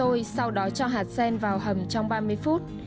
cho vào nồi sắp nước đun sôi sau đó cho hạt sen vào hầm trong ba mươi phút